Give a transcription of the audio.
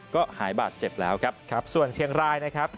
ก็หายบาดเจ็บแล้วครับครับส่วนเชียงรายนะครับ